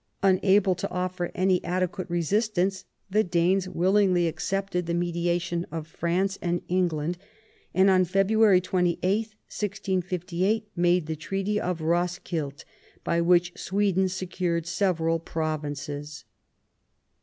Unable to offer any adequate resistance, the Danes willingly accepted the mediation of France and England, and on February 28, 1658, made the Treaty of Roskild, by which Sweden secured several provinces.